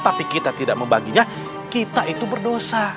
tapi kita tidak membaginya kita itu berdosa